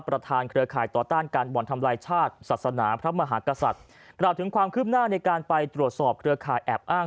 ราบถึงความคืบหน้าในการไปตรวจสอบเครือข่ายแอบอ้าง